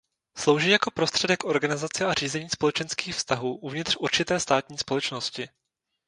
Slouží jako prostředek organizace a řízení společenských vztahů uvnitř určité státní společnosti.